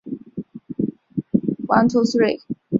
位于瑞士西部法语区沃州的贝城。